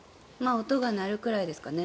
音が鳴るくらいですかね。